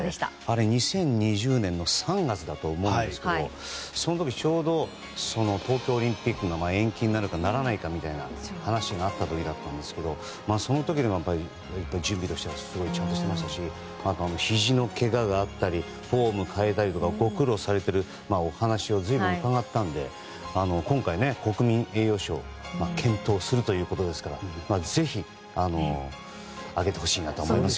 ２０２０年の３月だと思うんですけどもその時ちょうど東京オリンピックが延期になるかならないかみたいな話があった時だったんですけどその時でも準備としてはちゃんとしていましたしひじのけががあったりフォーム変えたりとかご苦労されているお話を随分、伺ったので今回、国民栄誉賞を検討するということですからぜひ、あげてほしいと思います。